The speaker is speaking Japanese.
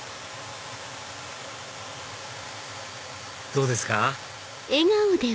どうですか？